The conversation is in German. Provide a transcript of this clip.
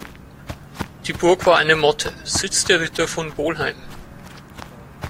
Die Burg war eine Motte, Sitz der Ritter von Bolheim.